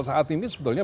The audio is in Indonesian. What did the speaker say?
saat ini sebetulnya